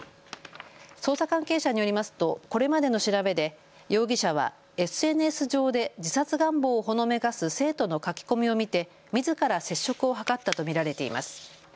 捜査関係者によりますとこれまでの調べで容疑者はＳＮＳ上で自殺願望をほのめかす生徒の書き込みを見てみずから接触を図ったと見られています。